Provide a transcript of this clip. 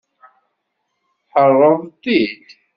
Tḥerreḍ-t-id.